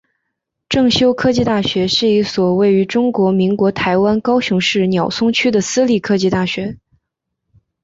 正修科技大学是一所位于中华民国台湾高雄市鸟松区的私立科技大学。